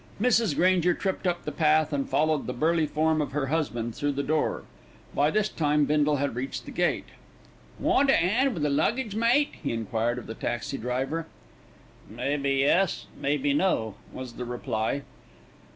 Mrs. Granger tripped up the path and followed the burly form of her husband through the door. By this time Bindle had reached the gate. "Want a 'and wi' the luggage, mate?" he enquired of the taxi driver. "Maybe yes, maybe no," was the reply.